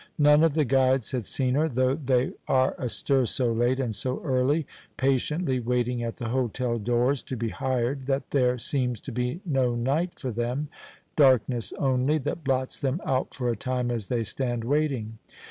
None of the guides had seen her, though they are astir so late and so early, patiently waiting at the hotel doors to be hired, that there seems to be no night for them darkness only, that blots them out for a time as they stand waiting.